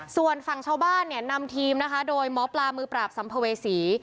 ส่วนฝั่งชาวบ้านเนี่ยนำทีมนะคะโดยหมอปลามือปราบสัมภเวษี